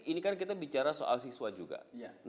kita ini kan kita bicara soal siswa yang lebih